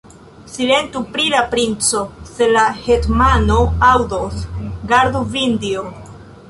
Silentu pri la princo; se la hetmano aŭdos, gardu vin Dio!